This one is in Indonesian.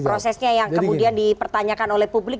prosesnya yang kemudian dipertanyakan oleh publik